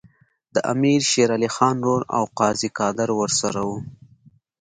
د امیر شېر علي خان ورور او قاضي قادر ورسره وو.